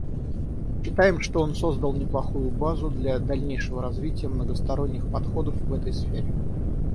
Считаем, что он создал неплохую базу для дальнейшего развития многосторонних подходов в этой сфере.